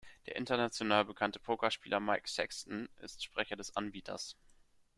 Der international bekannte Pokerspieler Mike Sexton ist Sprecher des Anbieters.